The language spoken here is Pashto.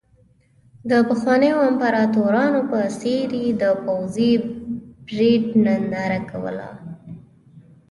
د پخوانیو امپراتورانو په څېر یې د پوځي پرېډ ننداره کوله.